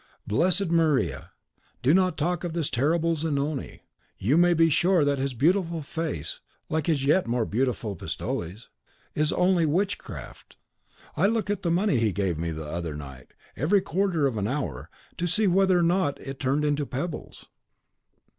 "Blessed Maria! do not talk of this terrible Zanoni. You may be sure that his beautiful face, like his yet more beautiful pistoles, is only witchcraft. I look at the money he gave me the other night, every quarter of an hour, to see whether it has not turned into pebbles."